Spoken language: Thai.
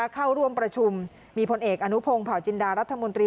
เข้าร่วมประชุมมีพลเอกอนุพงศ์เผาจินดารัฐมนตรี